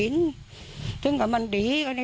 ลูกมอบตัว